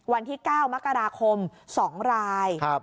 วันที่๙มกราคม๒ราย